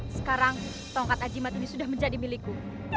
sekarang tongkat ajimat ini sudah menjadi milikku